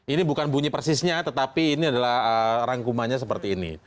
ini bukan bunyi persisnya tetapi ini adalah rangkumannya seperti ini